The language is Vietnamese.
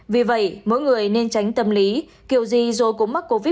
vì vậy mỗi người nên tránh tâm lý kiểu gì dôi cố mắc covid một mươi chín